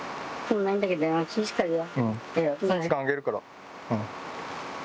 ・その時間あげるから。